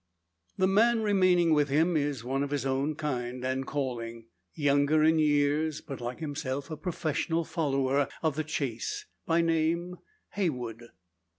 The man remaining with him is one of his own kind and calling; younger in years, but, like himself, a professional follower of the chase by name, Heywood.